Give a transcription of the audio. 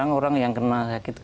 pingin saya ke dalam destinara bisa